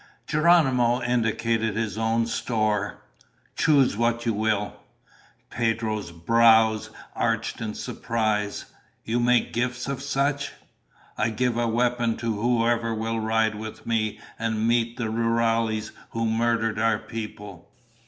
Geronimo indicated his own store. "Choose what you will." Pedro's brows arched in surprise. "You make gifts of such?" "I give a weapon to whoever will ride with me and meet the rurales who murdered our people."